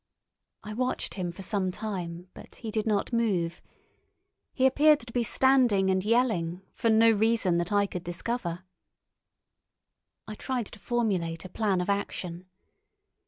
I watched him for some time, but he did not move. He appeared to be standing and yelling, for no reason that I could discover. I tried to formulate a plan of action.